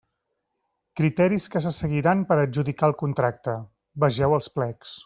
Criteris que se seguiran per a adjudicar el contracte: vegeu els plecs.